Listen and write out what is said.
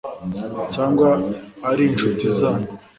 cyangwa ari inshuti zanyu